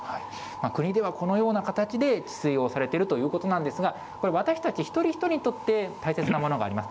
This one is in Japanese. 国ではこのような形で、治水をされているということなんですが、これ、私たち一人一人にとって、大切なものがあります。